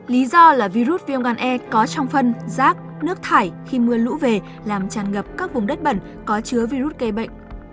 lý do là virus viêm gan e có trong phân rác nước thải khi mưa lũ về làm tràn ngập các vùng đất bẩn có chứa virus gây bệnh